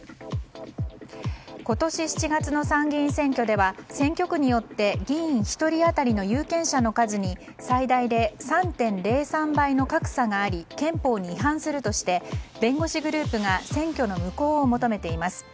今年７月の参議院選挙では選挙区によって議員１人当たりの有権者の数に最大で３．０３倍の格差があり憲法に違反するとして弁護士グループが選挙の無効を求めています。